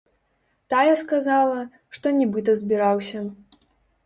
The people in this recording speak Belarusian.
Тая сказала, што нібыта збіраўся.